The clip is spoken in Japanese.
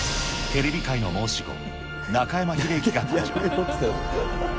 テレビ界の申し子、中山秀征が誕生。